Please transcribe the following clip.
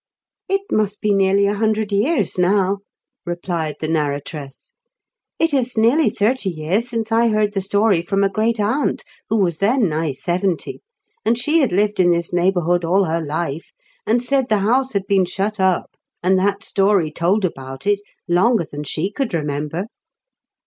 " It must be nearly a hundred years now," replied the narratress. " It is nearly thirty years since I heard the story from a great aunt, who was then nigh seventy, and she had lived in this neighbourhood all her life, and said the house had been shut up, and that story told about it, longer than she could remember."